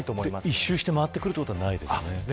一周して回ってくることはないですよね。